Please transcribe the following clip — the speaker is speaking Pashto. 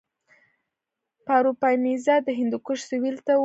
پاروپامیزاد د هندوکش سویل ته و